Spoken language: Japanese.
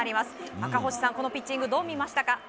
赤星さん、このピッチングどう見ましたか？